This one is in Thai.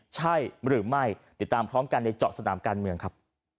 ใช่หรือไม่ติดตามพร้อมกันในเจาะสนามการเมืองครับ